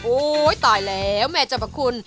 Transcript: โห้ยตายแล้วแม่จำประคุณ